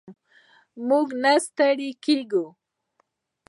موږ نه ستړي کیږو.